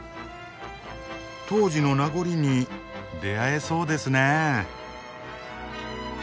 当時の名残に出会えそうですねえ。